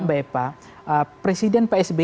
mbak epa presiden psb